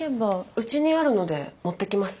うちにあるので持ってきます。